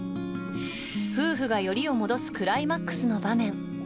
夫婦が寄りを戻すクライマックスの場面。